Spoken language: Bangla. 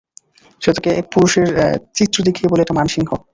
সে তাকে এক পুরুষের চিত্র দেখিয়ে বলে এটা মানসিংহ।